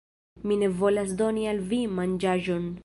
Mi ne volas doni al vi manĝaĵon.